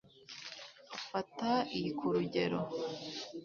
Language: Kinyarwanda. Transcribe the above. Fata iyi kurugero